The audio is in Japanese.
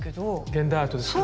現代アートですよね。